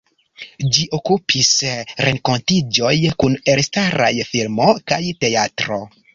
Ĝi okupis renkontiĝoj kun elstaraj filmo kaj teatro.